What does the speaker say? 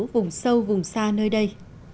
vùng sâu vùng xa nơi đây